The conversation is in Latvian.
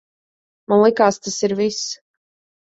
Man likās, tas ir viss.